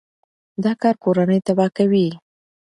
دا کار کورنۍ تباه کوي.